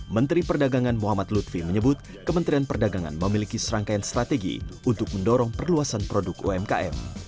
menteri perdagangan muhammad lutfi menyebut kementerian perdagangan memiliki serangkaian strategi untuk mendorong perluasan produk umkm